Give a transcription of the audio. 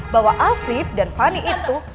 bahwa afif dan fani itu